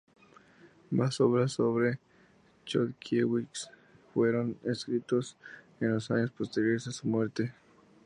Más obras sobre Chodkiewicz fueron escritos en los años posteriores a su muerte.